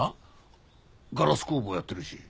ガラス工房やってるし。